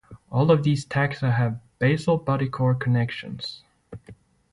All of these taxa have basal body core connections.